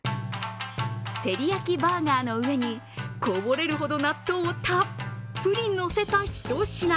てりやきバーガーの上にこぼれるほど納豆をたっぷりのせた一品。